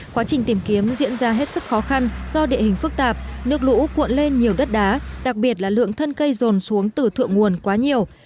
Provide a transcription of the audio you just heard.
quá trình tìm kiếm diễn ra hết sức khó khăn do địa hình phức tạp nước lũ cuộn lên nhiều đất đá đặc biệt là lượng thân cây rồn xuống từ thượng nguồn quá nhiều